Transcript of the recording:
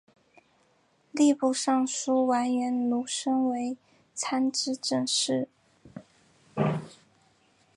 吏部尚书完颜奴申为参知政事。